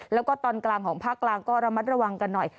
แล้วก็ตอนกลางของภาคกลางก็ระมัดระวังกันหน่อย